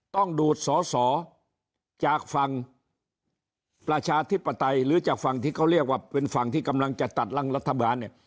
ต้องดูดสอสอจากฝั่งประชาธิปไตยหรือจากฝั่งที่เขาเรียกว่าเป็นฝั่งที่กำลังจะตัดลังรัฐบาลเนี่ย